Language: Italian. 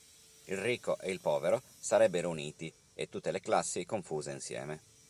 Il ricco e il povero sarebbero uniti e tutte le classi confuse insieme.